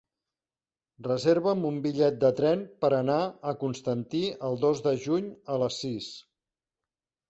Reserva'm un bitllet de tren per anar a Constantí el dos de juny a les sis.